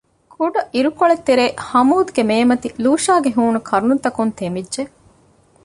ކުޑަ ޢިރުކޮޅެއްތެރޭ ހަމޫދްގެ މޭމަތި ލޫޝާގެ ހޫނު ކަރުނަތަކުން ތެމިއްޖެ